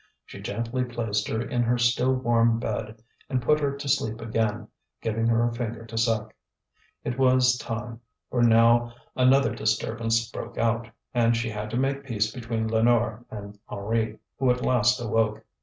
She gently placed her in her still warm bed, and put her to sleep again, giving her a finger to suck. It was time, for now another disturbance broke out, and she had to make peace between Lénore and Henri, who at last awoke.